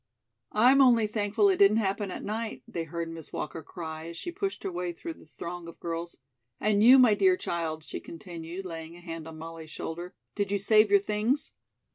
"I'm only thankful it didn't happen at night," they heard Miss Walker cry as she pushed her way through the throng of girls. "And you, my dear child," she continued, laying a hand on Molly's shoulder, "did you save your things?"